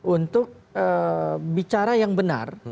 untuk bicara yang benar